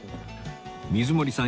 水森さん